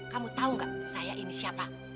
kamu tahu nggak saya ini siapa